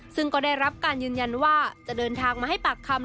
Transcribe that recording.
ซึ่งก็ได้รับการยืนยันว่าจะเดินทางมาให้ปากคำ